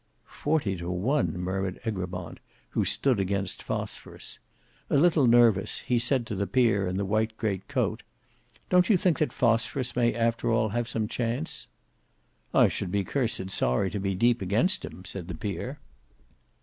"Forty to one!" murmured Egremont who stood against Phosphorus. A little nervous, he said to the peer in the white great coat, "Don't you think that Phosphorus may after all have some chance?" "I should be cursed sorry to be deep against him," said the peer.